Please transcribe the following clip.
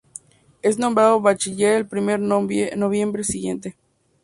Es nombrado bachiller el primer noviembre siguiente.